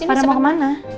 pada mau ke mana